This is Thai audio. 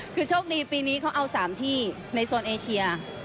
คือโชคดีปีนี้เขาเอา๓ที่ในโซนเอเชีย